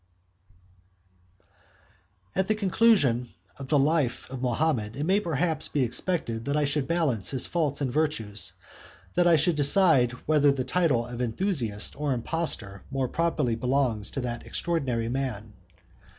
] At the conclusion of the life of Mahomet, it may perhaps be expected, that I should balance his faults and virtues, that I should decide whether the title of enthusiast or impostor more properly belongs to that extraordinary man.